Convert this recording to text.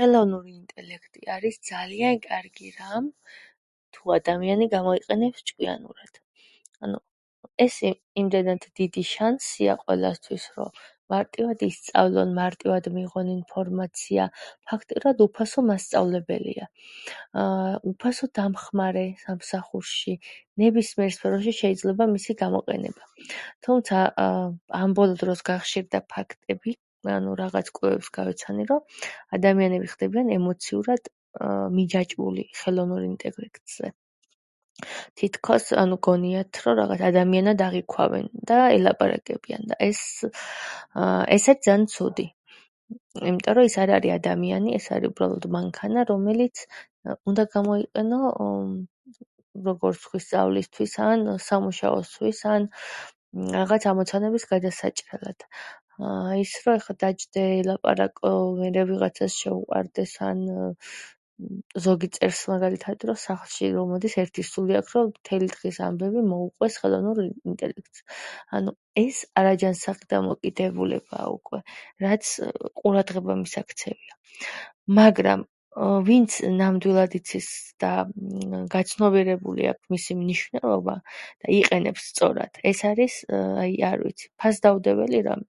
ხელოვნური ინტელექტი არის ძალიან კარგი რამ, თუ ადამიანი გამოიყენებს ჭკვიანურად. ანუ ეს იმდენად დიდი შანსია ყველასათვის რომ, მარტივად ისწავლონ, მარტივად მიიღონ ინფორმაცია. ფაქტიურად უფასო მასწავლებელია, უფასო დამხმარე სამსახურში. ნებისმიერ სფეროში შეიძლება მისი გამოყენება. თუმცა ამ ბოლო დროს გახშირდა ფაქტები, ანუ რაღაც კვლევებს გავეცანი და ადამიანების მხრიდან ემოციურად მიჯაჭვული ხელოვნურ ინტელექტზე. თითქოს ანუ გონიათ, რომ ადამიანად აღიქვამენ და ელაპარაკებიან, და ესეც ძაან ცუდი. იმიტომ რომ ის არ არის ადამიანი, ეს არის უბრალოდ მანქანა, რომელიც უნდა გამოიყენო, როგორც სწავლისთვის, ან სამუშაოსთვის, ან რაღაც ამოცანების გადასაჭრელად. ის რომ ეხლა დაჯდე, ელეპარაკო, მერე ვიღაცას შეუყვარდეს ან ზოგი წერს რომ მაგალითად, რომ სახლში რომ მოდის ერთი სული აქვს რომ მთელი დღის ამბები მოუყვეს ხელოვნურ ინტელექტს ანუ ეს არაჯანსაღი დამოკიდებულებაა უკვე, რაც ყურადღება მისაქცევია. მაგრამ ვინც ნამდვილად იცის და გაცნობიერებული აქვს მისი მნიშვნელობა, იყენებს სწორად, ეს არის, აი, არ ვიცი ფასდაუდებელი რამ.